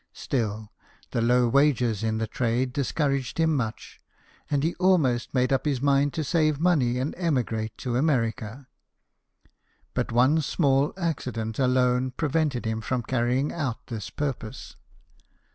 Still, the low wages in the trade discouraged him much, and. he almost made up his mind to save money and emigrate to America. But one small accident alone prevented him from carrying out this purpose.